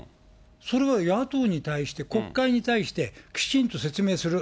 それは野党に対して、国会に対して、きちんと説明する。